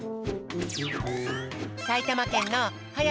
さいたまけんのはや